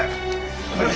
はい。